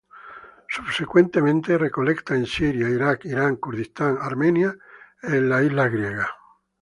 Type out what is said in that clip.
Subsecuentemente recolecta en Siria, Irak, Irán, Kurdistán, Armenia e islas de Grecia.